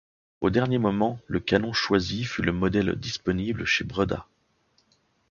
Au dernier moment, le canon choisi fut le modèle disponible chez Breda.